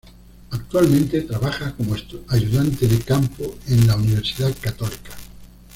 Actualmente trabaja como ayudante de campo en Universidad Católica.